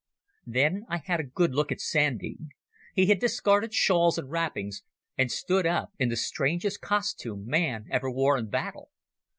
Then I had a good look at Sandy. He had discarded shawls and wrappings, and stood up in the strangest costume man ever wore in battle.